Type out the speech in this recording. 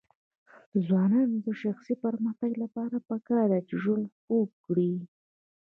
د ځوانانو د شخصي پرمختګ لپاره پکار ده چې ژوند خوږ کړي.